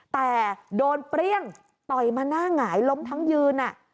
แต่โดนเปรี้ยงต่อยมาหน้าหงายล้มทั้งยืน